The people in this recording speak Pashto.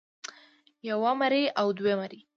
يوه مرۍ او دوه مرۍ